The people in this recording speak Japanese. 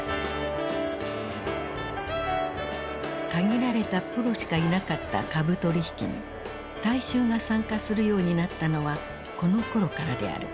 限られたプロしかいなかった株取引に大衆が参加するようになったのはこのころからである。